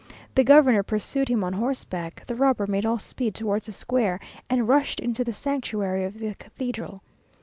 The governor pursued him on horseback; the robber made all speed towards the Square, and rushed into the sanctuary of the cathedral.